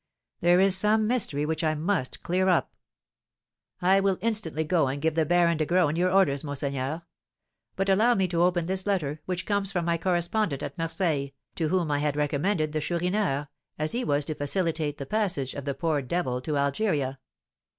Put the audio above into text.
There is some mystery which I must clear up." "I will instantly go and give the Baron de Graün your orders, monseigneur. But allow me to open this letter, which comes from my correspondent at Marseilles, to whom I had recommended the Chourineur, as he was to facilitate the passage of the poor devil to Algeria."